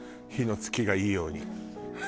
火のつきがいいように。